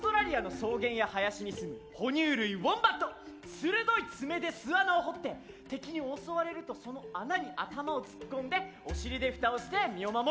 鋭い爪で巣穴を掘って敵に襲われるとその穴に頭を突っ込んでお尻で蓋をして身を守るの。